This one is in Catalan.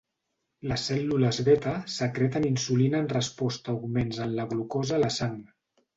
Les cèl·lules beta secreten insulina en resposta a augments en la glucosa a la sang.